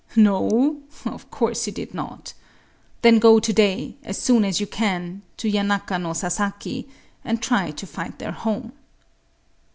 No!—of course you did not! Then go to day,—as soon as you can,—to Yanaka no Sasaki, and try to find their home!